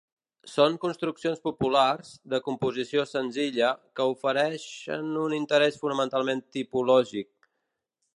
Són construccions populars, de composició senzilla, que ofereixen un interès fonamentalment tipològic.